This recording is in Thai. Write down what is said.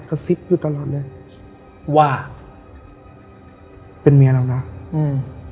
กระซิบอยู่ตลอดเลยว่าเป็นเมียเรานะอืม